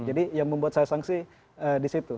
jadi yang membuat saya sangsi di situ